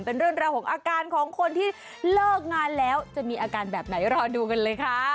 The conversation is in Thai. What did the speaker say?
เป็นเรื่องราวของอาการของคนที่เลิกงานแล้วจะมีอาการแบบไหนรอดูกันเลยค่ะ